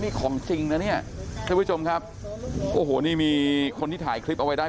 นี่ของจริงนะเนี่ยท่านผู้ชมครับโอ้โหนี่มีคนที่ถ่ายคลิปเอาไว้ได้